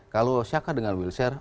kalau saka dengan wilshere